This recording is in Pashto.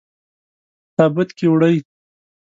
په تابوت کې وړئ.